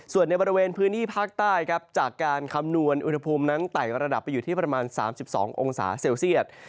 ส่วนในบริเวณพื้นที่ภาคใต้ครับจากการคำนวณอุณหภูมินั้นไต่ระดับไปอยู่ที่ประมาณ๓๒องศาเซลเซียต